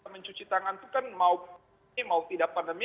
mencuci tangan itu kan mau ini mau tidak pandemi